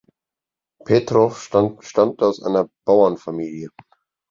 Petrow stammte aus einer Bauernfamilie.